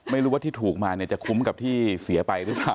ไม่รู้ว่าที่ถูกมาเนี่ยจะคุ้มกับที่เสียไปหรือเปล่า